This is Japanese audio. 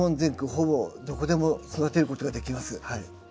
ほぼどこでも育てることができます。